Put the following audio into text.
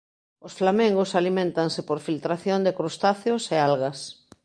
Os flamengos aliméntanse por filtración de crustáceos e algas.